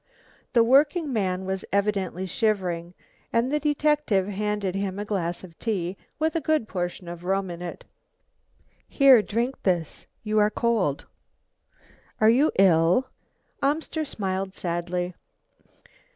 The workingman was evidently shivering, and the detective handed him a glass of tea with a good portion of rum in it. "Here, drink this; you are cold. Are you ill?" Amster smiled sadly.